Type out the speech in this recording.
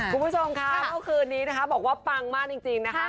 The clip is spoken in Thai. คุณผู้ชมค่ะเมื่อคืนนี้นะคะบอกว่าปังมากจริงนะคะ